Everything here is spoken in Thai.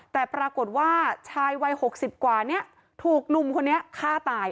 แต่ปรากฏว่าชายวัย๖๐กว่านี้ถูกหนุ่มคนนี้ฆ่าตาย